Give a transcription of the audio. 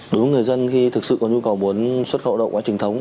đối với người dân khi thực sự có nhu cầu muốn xuất khẩu động quá trình thống